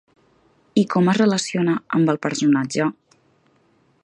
I com es relaciona amb el personatge?